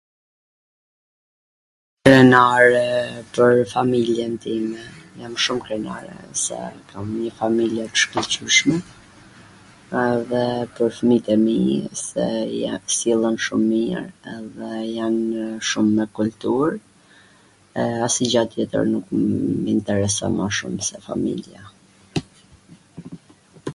Krenare pwr familjen time, jam shum krenare, se kam nji familje t shkwlqyshme, edhe pwr fmijt e mij se jan sillen shum mir edhe janw shum me kultur e asnjw gja tjetwr nuk m intereson ma shum se familja.